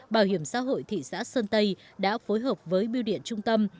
bảo hiểm xã hội thị xã sơn tây đã phối hợp với biêu điện trung tâm